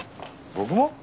僕も？